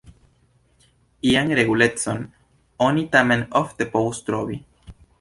Ian regulecon oni tamen ofte povus trovi.